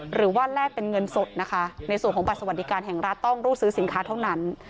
แลกเป็นเงินสดนะคะในส่วนของบัตรสวัสดิการแห่งรัฐต้องรูดซื้อสินค้าเท่านั้น